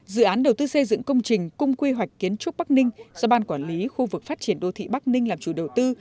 dự án đầu tư xây dựng công trình cung quy hoạch kiến trúc bắc ninh do ban quản lý khu vực phát triển đô thị bắc ninh làm chủ đầu tư